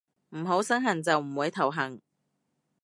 唔好身痕就唔會頭痕